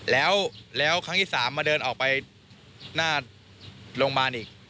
แล้วครั้งที่๓มาเดินออกไปหน้าโรงพยาบาลอีก